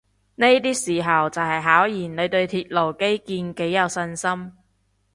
呢啲時候就係考驗你對鐵路基建幾有信心